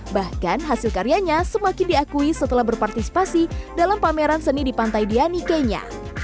bahkan hasil karyanya semakin diakui setelah berpartisipasi dalam pameran seni di pantai diani kenya